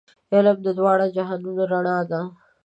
علم د دواړو جهانونو رڼا ده.